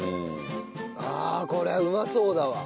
ああこれうまそうだわ。